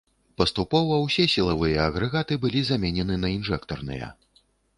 Паступова ўсе сілавыя агрэгаты былі заменены на інжэктарныя.